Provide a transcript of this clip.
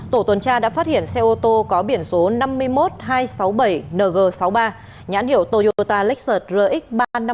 tổ tuần tra đã phát hiện xe ô tô có biển số năm mươi một nghìn hai trăm sáu mươi bảy ng sáu mươi ba nhãn hiệu toyota lexus rx ba trăm năm mươi